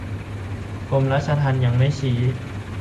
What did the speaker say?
กรมราชทัณฑ์ยังไม่ชี้